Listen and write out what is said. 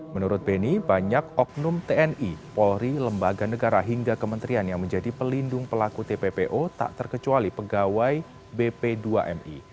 menurut beni banyak oknum tni polri lembaga negara hingga kementerian yang menjadi pelindung pelaku tppo tak terkecuali pegawai bp dua mi